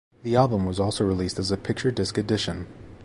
The album was also released as a Picture Disc Edition.